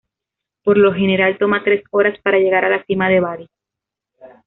Por lo general toma tres horas para llegar a la cima de Bari.